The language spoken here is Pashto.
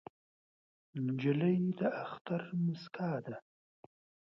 نجلۍ د اختر موسکا ده.